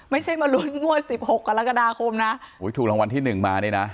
ไม่ใช่มาลุ้นงวดสิบหกกรกฎาคมนะอุ้ยถูกรางวัลที่หนึ่งมานี่นะ